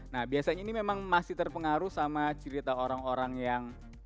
nah biasanya ini memang masih terpengaruh sama cerita orang orang yang